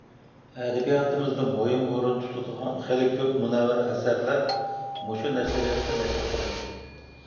ئەدەبىياتىمىزدا مۇھىم ئورۇن تۇتىدىغان خېلى كۆپ مۇنەۋۋەر ئەسەرلەر مۇشۇ نەشرىياتتا نەشر قىلىندى.